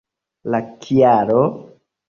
La kialo?